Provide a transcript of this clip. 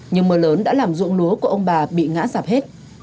nhưng mưa lớn đã làm dụng lúa của ông bà bị ngã sạp hết